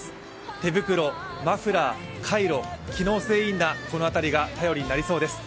手袋、マフラー、カイロ、機能性インナー、このあたりが頼りになりそうです。